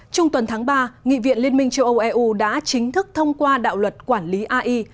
trung tuần tháng ba nghị viện liên minh châu âu eu đã chính thức thông qua đạo luật quản lý ai